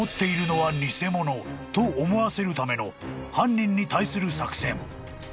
［と思わせるための犯人に対する作戦］